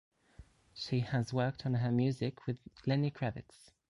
She has worked on her music with Lenny Kravitz.